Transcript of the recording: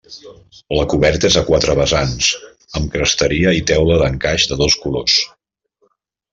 La coberta és a quatre vessants, amb cresteria i teula d'encaix de dos colors.